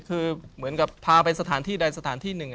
คือเหมือนกับพาไปสถานที่ใดสถานที่หนึ่ง